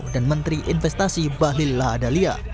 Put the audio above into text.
dan menteri investasi bahlil lahadalia